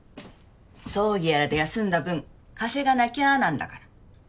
葬儀やらで休んだ分稼がなきゃなんだから。